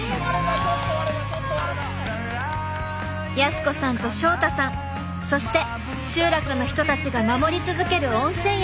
靖子さんと祥太さんそして集落の人たちが守り続ける温泉宿。